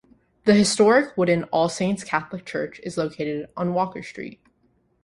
The historic wooden All Saints Catholic Church is located on Walker Street.